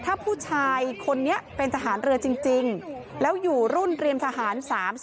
ถ้าผู้ชายคนนี้เป็นทหารเรือจริงแล้วอยู่รุ่นเตรียมทหาร๓๐